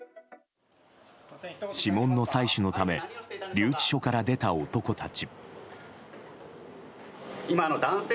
指紋の採取のため留置所から出た男たち。